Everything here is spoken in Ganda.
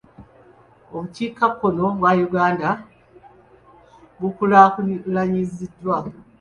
Obukiika kkono bwa Uganda bukulaakulanyiziddwa.